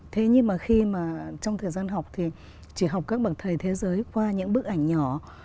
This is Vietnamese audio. thế nhưng mà khi mà trong thời gian học thì chỉ học các bậc thầy thế giới qua những bức ảnh nhỏ